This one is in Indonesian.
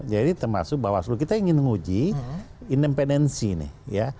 jadi termasuk bahwa kita ingin menguji independensi nih